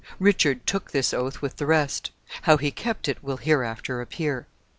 Richard took this oath with the rest. How he kept it will hereafter appear.